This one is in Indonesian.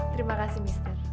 terima kasih mister